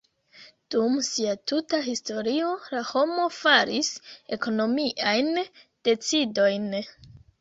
Dum sia tuta historio la homo faris ekonomiajn decidojn.